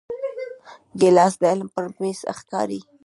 ګیلاس د علم پر میز ښکاري.